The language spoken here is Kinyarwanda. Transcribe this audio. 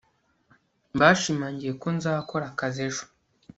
bashimangiye ko nzakora akazi ejo